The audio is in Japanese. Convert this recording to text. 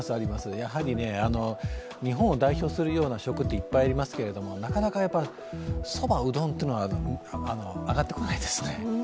やはり日本を代表するような食っていっぱいありますけれども、なかなか、そば、うどんは上がってこないですね。